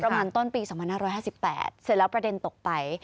ประมาณต้นปี๒๕๕๘เสร็จแล้วประเด็นตกไป